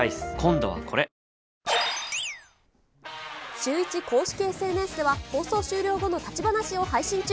シューイチ公式ＳＮＳでは、放送終了後の立ち話を配信中。